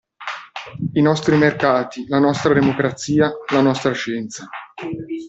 I nostri mercati, la nostra democrazia, la nostra scienza.